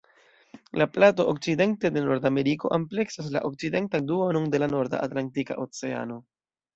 La plato okcidente de Nordameriko ampleksas la okcidentan duonon de la norda Atlantika Oceano.